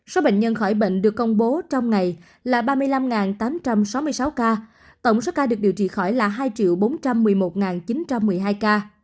số bệnh nhân khỏi bệnh được công bố trong ngày là ba mươi năm tám trăm sáu mươi sáu ca tổng số ca được điều trị khỏi là hai bốn trăm một mươi một chín trăm một mươi hai ca